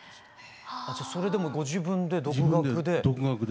じゃあそれでご自分で独学で。